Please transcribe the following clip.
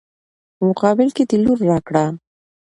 په مقابل کې د لور راکړه.